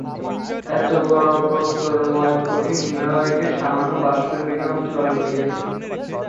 এতবড়ো প্রস্তরময় কঠিন হিমালয়কে কে সামান্য বাষ্পের মেঘে অন্তরাল করিয়াছে।